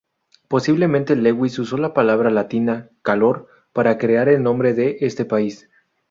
Posiblemente Lewis usó la palabra latina "calor" para crear el nombre de este país.